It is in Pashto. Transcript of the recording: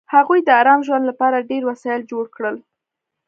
هغوی د ارام ژوند لپاره ډېر وسایل جوړ کړل